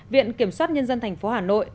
viện kiểm soát nhân dân tp hà nội